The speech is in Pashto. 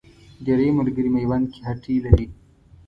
ډېری ملګري میوند کې هټۍ لري.